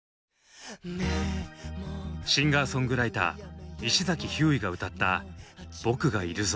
シンガーソングライター石崎ひゅーいが歌った「僕がいるぞ！」。